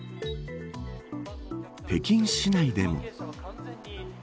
北京市内でも。